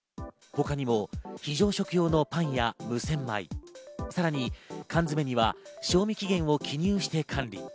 他にも非常食用のパンや無洗米、さらに缶詰には賞味期限を記入して管理。